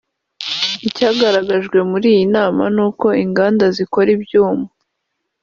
Icyagaragajwe muri iyi nama ni uko ngo inganda zikora ibyuma